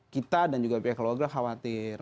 kita dan juga pihak keluarga khawatir